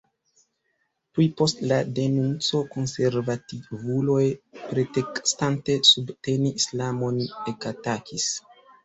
Tuj post la denunco konservativuloj, pretekstante subteni islamon, ekatakis.